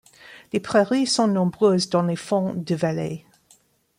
Les prairies sont nombreuses dans les fonds de vallée.